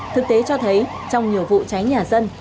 thực tế cho thấy trong nhiều vụ cháy nhà dân